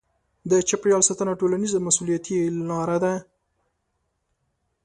د چاپیریال ساتنه ټولنیزه مسوولیتي لاره ده.